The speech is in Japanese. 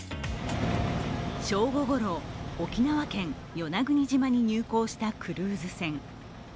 正午ごろ、沖縄県与那国島に入港したクルーズ船。